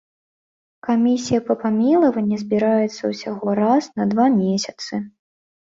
Камісія па памілаванні збіраецца ўсяго раз на два месяцы.